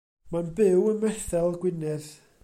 Mae'n byw ym Methel, Gwynedd.